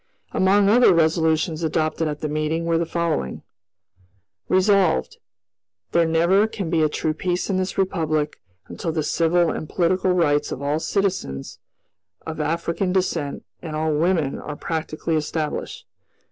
Among other resolutions adopted at the meeting were the following: "Resolved, There never can be a true peace in this Republic until the civil and political rights of all citizens of African descent and all women are practically established.